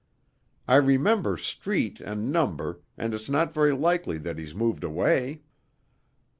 I remember street and number, and it's not very likely that he's moved away."